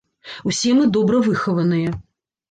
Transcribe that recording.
Усе мы добра выхаваныя.